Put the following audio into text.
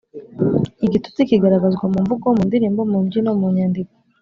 lgitutsi kigaragazwa mu mvugo, mu ndirimbo, mu mbyino, mu nyandiko,